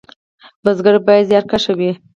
بزګر باید زیارکښ وي